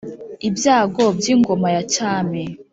ibyago byingoma ya cyami.